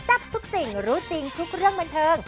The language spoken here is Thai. ทับทุกสิ่งรู้จริงทุกเรื่องบันเทิง